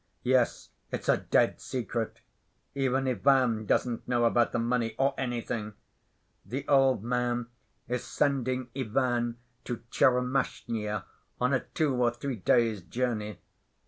"Yes. It's a dead secret. Even Ivan doesn't know about the money, or anything. The old man is sending Ivan to Tchermashnya on a two or three days' journey.